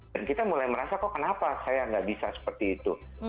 dan kita mulai merasa kok kenapa saya nggak bisa seperti itu